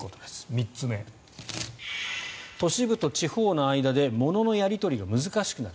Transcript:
３つ目、都市部と地方の間で物のやり取りが難しくなる。